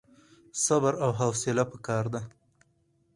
صبر او حوصله پکار ده